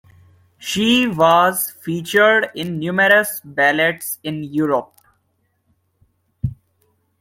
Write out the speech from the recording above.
She was featured in numerous ballets in Europe.